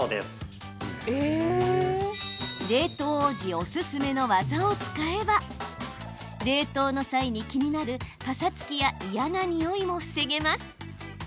冷凍王子オススメのワザを使えば冷凍の際に気になるパサつきや嫌なにおいも防げます。